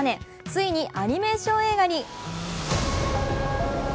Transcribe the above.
ついにアニメーション映画に。